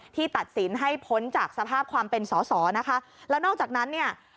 ตัดสินให้พ้นจากสภาพความเป็นสอสอนะคะแล้วนอกจากนั้นเนี่ย